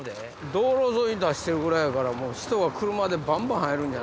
道路沿いに出してるぐらいやから車でバンバン入るんじゃないの？